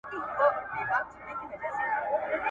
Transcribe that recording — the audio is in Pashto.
نو په ما به یې تعویذ ولي لیکلای `